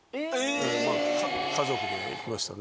家族で行きましたね。